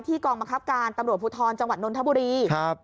ที่กองบังคับการณ์ตำรวจภูทรจังหวัดนนทบุรี